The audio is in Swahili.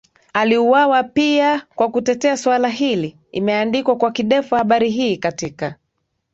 aliuwawa pia kwa kutetea swala hili imeandikwa kwa kidefu habari hii katika